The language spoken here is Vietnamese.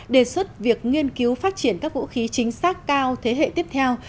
đề xuất việc nghiên cứu phát triển các vũ khí chính xác cao thế hệ tiếp theo